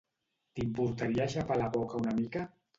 T'importaria xapar la boca una mica?